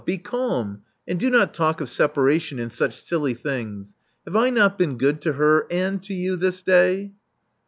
Be calm ; and do not talk of separation, and such silly things. Have I not been good to her and to you this day?"